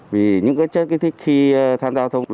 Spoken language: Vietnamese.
vì những chất kích thích khi tham gia thông